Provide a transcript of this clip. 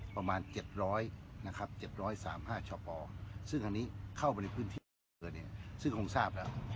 ประมาณ๗๐๐๗๓๕ชปซึ่งอันนี้เข้าไปในพื้นที่ซึ่งคงทราบแล้ว